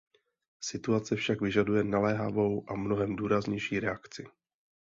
Situace však vyžaduje naléhavou a mnohem důraznější reakci.